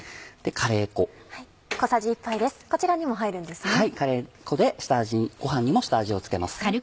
カレー粉でごはんにも下味を付けます。